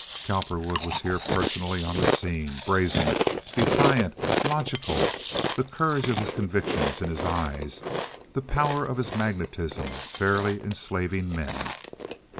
Cowperwood was here personally on the scene, brazen, defiant, logical, the courage of his convictions in his eyes, the power of his magnetism fairly enslaving men.